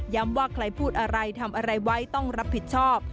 ว่าใครพูดอะไรทำอะไรไว้ต้องรับผิดชอบ